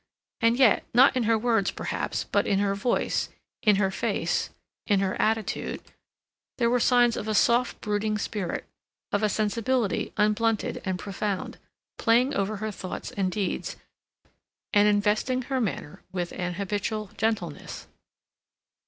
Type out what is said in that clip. And yet, not in her words, perhaps, but in her voice, in her face, in her attitude, there were signs of a soft brooding spirit, of a sensibility unblunted and profound, playing over her thoughts and deeds, and investing her manner with an habitual gentleness.